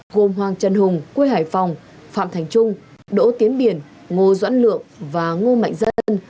gồm hoàng trần hùng quê hải phòng phạm thành trung đỗ tiến biển ngô doãn lượng và ngô mạnh dân